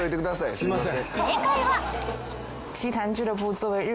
すいません。